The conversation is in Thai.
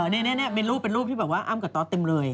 นี่เป็นรูปที่แบบว่าอ้ามกับตอธิ์เต็มเลย